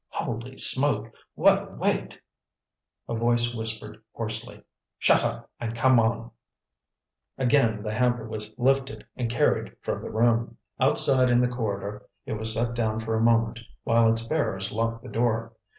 "Holy smoke! what a weight!" a voice whispered hoarsely. "Shut up and come on!" Again the hamper was lifted and carried from the room. Outside in the corridor it was set down for a moment while its bearers locked the door.